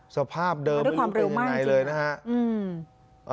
สภาพเดิมไม่รู้เป็นไหนเลยนะครับ